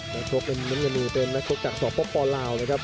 เนื้อกลุกเป็นเหมือนกันดูเป็นแน็กกรุกจากทรอกพอปอลาวน์เลยครับ